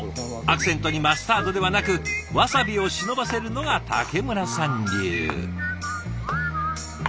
アクセントにマスタードではなくわさびを忍ばせるのが竹村さん流。